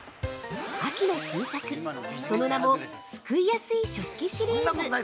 ◆秋の新作、その名も「すくいやすい食器シリーズ」。